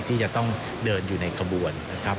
ที่จะต้องเดินอยู่ในขบวนนะครับ